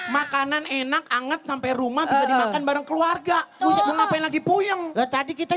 makanan enak anget sampai rumah bisa dimakan bareng keluarga ngapain lagi puyem tadi kita